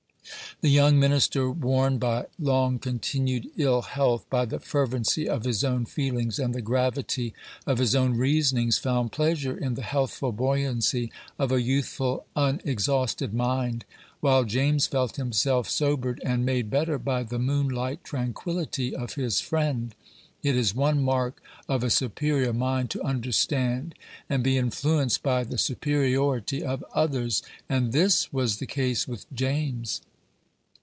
The young minister, worn by long continued ill health, by the fervency of his own feelings, and the gravity of his own reasonings, found pleasure in the healthful buoyancy of a youthful, unexhausted mind, while James felt himself sobered and made better by the moonlight tranquillity of his friend. It is one mark of a superior mind to understand and be influenced by the superiority of others; and this was the case with James.